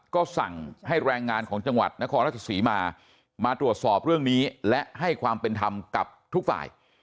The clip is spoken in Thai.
ก็สั่งให้แรงงานของจังหวัดนครราชศรีมามาตรวจสอบเรื่องนี้และให้ความเป็นธรรมกับทุกฝ่าย